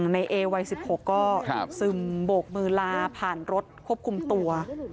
ในเอวัย๑๖ก็ซึมโบกมือลาผ่านรถควบคุมตัว